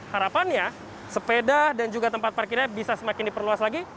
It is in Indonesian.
harapannya sepeda dan juga tempat parkirnya bisa semakin diperluas lagi